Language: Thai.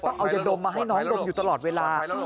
ต้องเอายาดมมาให้น้องดมอยู่ตลอดเวลา